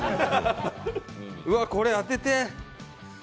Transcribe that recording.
うわ、これ当てて。